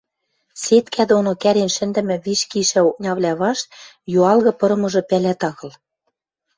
Сеткӓ доно кӓрен шӹндӹмӹ виш кишӹ окнявлӓ вашт юалгы пырымыжы пӓлӓт агыл.